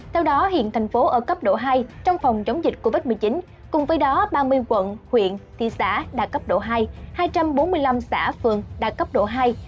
theo đó hiện thành phố ở cấp độ hai trong phòng chống dịch covid một mươi chín cùng với đó ba mươi quận huyện thị xã đạt cấp độ hai hai trăm bốn mươi năm xã phường đạt cấp độ hai